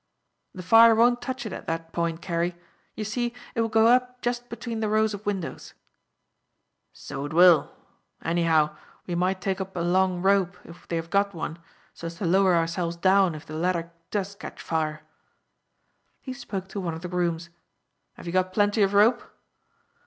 "The fire won't touch it at that point, Carey. You see, it will go up just between the rows of windows." "So it will; anyhow, we might take up a long rope, if they have got one, so as to lower ourselves down if the ladder does catch fire." He spoke to one of the grooms. "Have you got plenty of rope?"